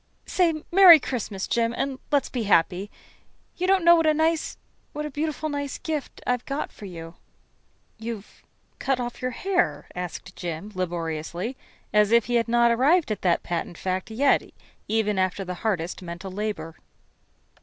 Say 'Merry Christmas,' Jim, and let's be happy. You don't know what a nice what a beautiful, nice gift I've got for you." "You've cut off your hair?" asked Jim laboriously, as if he had not arrived at that patent fact yet, even after the hardest mental labor.